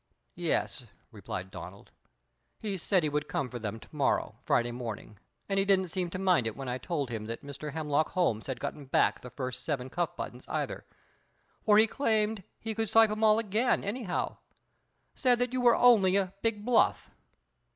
"Yes," replied Donald, "he said he would come for them to morrow, Friday, morning, and he didn't seem to mind it when I told him that Mr. Hemlock Holmes had gotten back the first seven cuff buttons, either; for he claimed he could swipe 'em all again, anyhow. Said that you were only a big bluff."